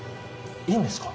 いいんですか？